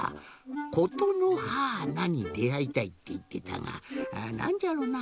「ことのはーなにであいたい」っていってたがなんじゃろな？